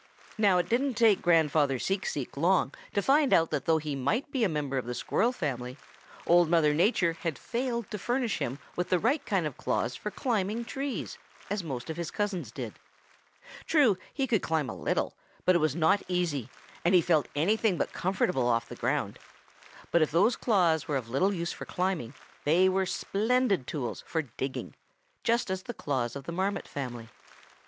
"Now it didn't take Grandfather Seek Seek long to find out that though he might be a member of the Squirrel family, Old Mother Nature had failed to furnish him with the right kind of claws for climbing trees, as most of his cousins did. True, he could climb a little, but it was not easy, and he felt anything but comfortable off the ground. But if those claws were of little use for climbing they were splendid tools for digging, just as are the claws of the Marmot family.